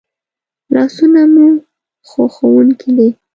لاسونه مو ښوونکي دي